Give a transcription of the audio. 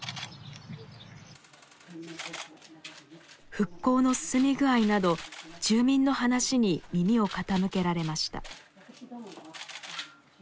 復興の進み具合など住民の話に耳を傾けられました。